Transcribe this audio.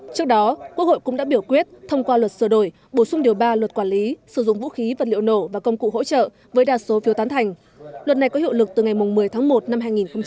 trước đó quốc hội cũng đã biểu quyết thông qua luật sửa đổi bổ sung điều ba luật quản lý sử dụng vũ khí vật liệu nổ và công cụ hỗ trợ với đa số phiếu tán thành luật này có hiệu lực từ ngày một mươi tháng một năm hai nghìn hai mươi